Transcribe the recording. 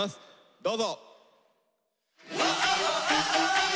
どうぞ！